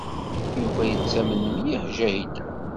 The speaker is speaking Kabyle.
Yuba yettamen mliḥ Ǧahida.